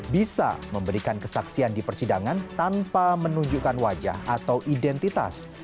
bisa memberikan kesaksian di persidangan tanpa menunjukkan wajah atau identitas